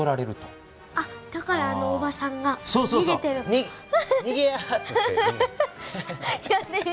だからあのおばさんがにげてる。